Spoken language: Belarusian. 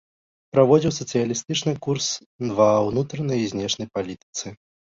Праводзіў сацыялістычны курс ва ўнутранай і знешняй палітыцы.